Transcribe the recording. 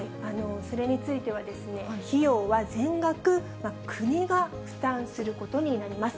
それについては、費用は全額、国が負担することになります。